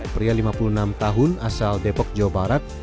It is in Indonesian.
pria lima puluh enam tahun asal depok jawa barat